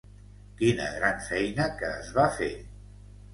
Quina gran feina que es va fer.